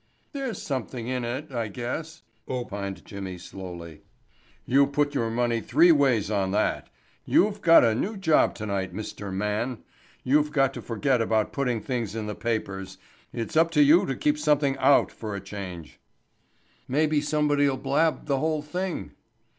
"There's something in it, I guess," opined Jimmy slowly. "You put your money three ways on that. You've got a new job tonight, mister man. You've got to forget about putting things in the papers. It's up to you to keep something out for a change." "Maybe somebody'll blab the whole thing."